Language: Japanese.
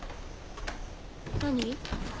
何？